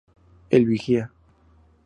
El Vigía.